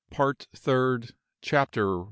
PART THIRD. CHAPTER I.